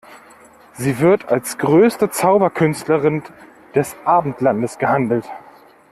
Sie wird als größte Zauberkünstlerin des Abendlandes gehandelt.